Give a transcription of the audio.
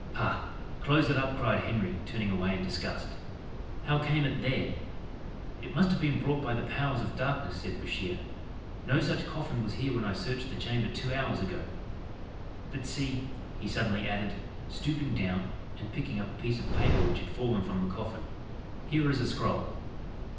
"Pah! close it up," cried Henry, turning away in disgust. "How came it there?" "It must have been brought by the powers of darkness," said Bouchier; "no such coffin was here when I searched the chamber two hours ago. But see," he suddenly added, stooping down, and picking up a piece of paper which had fallen from the coffin, "here is a scroll."